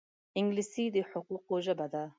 انګلیسي د حقوقو ژبه ده